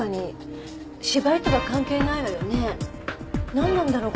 なんなんだろう？